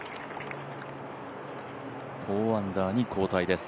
４アンダーに後退です。